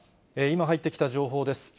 今入ってきた情報です。